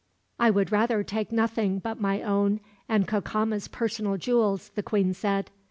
"I would rather take nothing but my own and Cacama's personal jewels," the queen said.